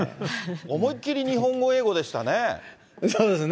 思いっ切り日本語英語でしたね。